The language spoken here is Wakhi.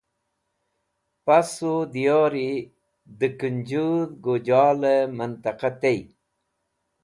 Passu Diyori de Kunjudh Gojal e Mantaqa tey